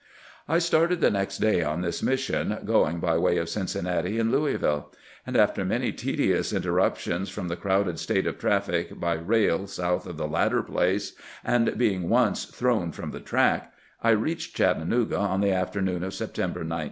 ..." I started the next day on this mission, going by way of Cincinnati and LouisviUe ; and after many tedious inter ruptions from the crowded state of traffic by rail south of the latter place, and being once thrown from the track, I reached Chattanooga on the afternoon of September 19.